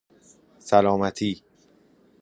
سلامتی